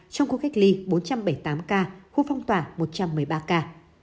trong khu cách ly bốn trăm bảy mươi tám ca khu phong tỏa một trăm một mươi ba ca